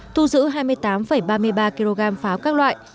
thu giữ hai mươi tám ba mươi ba kg pháo các loại